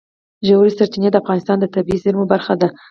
ژورې سرچینې د افغانستان د طبیعي زیرمو برخه ده.